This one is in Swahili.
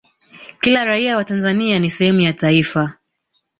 kila raia wa tanzania ni sehemu ya taifa